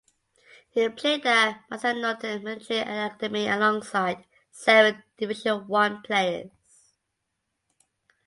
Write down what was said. He played at Massanutten Military Academy alongside seven Division One Players.